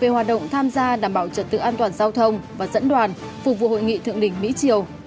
về hoạt động tham gia đảm bảo trật tự an toàn giao thông và dẫn đoàn phục vụ hội nghị thượng đỉnh mỹ triều